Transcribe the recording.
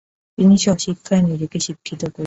তিনি স্ব-শিক্ষায় নিজেকে শিক্ষিত করেছিলেন।